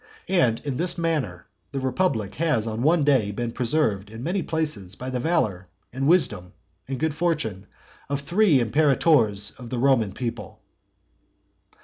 And in this manner the republic has on one day been preserved in many places by the valour, and wisdom, and good fortune of three imperators of the Roman people.